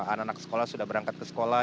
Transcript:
anak anak sekolah sudah berangkat ke sekolah